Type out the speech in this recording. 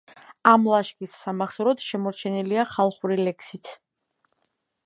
ამ ლაშქრის სამახსოვროდ შემორჩენილია ხალხური ლექსიც.